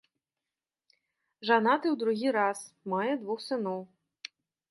Жанаты ў другі раз, мае двух сыноў.